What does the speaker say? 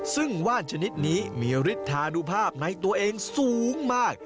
ซึ่งว่านชนิดนี้มีฤทธานุภาพในตัวเองสูงมาก